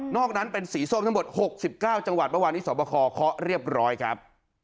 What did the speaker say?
นอกนั้นเป็นสีส้มทั้งหมด๖๙จังหวัดประวันอิสรบคอค้อเรียบร้อยครับ